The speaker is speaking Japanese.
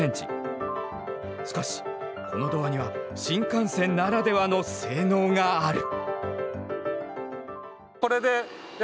しかしこのドアには新幹線ならではの性能がある。